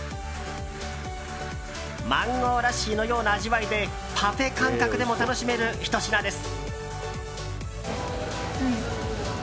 マンゴーラッシーのような味わいでパフェ感覚でも楽しめるひと品です。